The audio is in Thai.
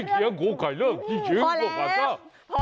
พอแล้วพอแล้ว